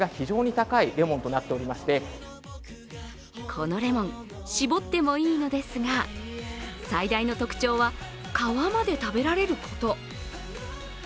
このレモン絞ってもいいのですが最大の特徴は、皮まで食べられること。